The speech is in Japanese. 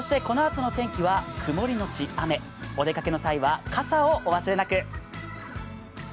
このあとの天気は曇り後雨、お出かけの際は傘をお忘れなく。